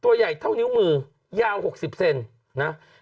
ตัวใหญ่เท่านิ้วมือยาว๖๐เซนนะ